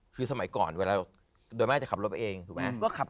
คือสมัยก่อนเวลาโดยมากจะขับรถไปเองถูกไหม